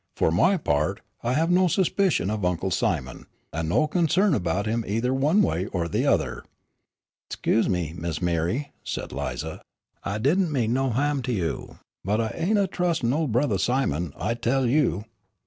For my part, I have no suspicion of Uncle Simon, and no concern about him either one way or the other." "'Scuse me, Miss M'ree," said Lize, "I didn' mean no ha'm to you, but I ain' a trustin' ol' Brothah Simon, I tell you."